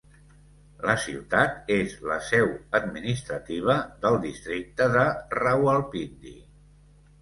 La ciutat és la seu administrativa del districte de Rawalpindi.